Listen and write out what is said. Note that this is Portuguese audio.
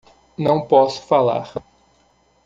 Não posso falar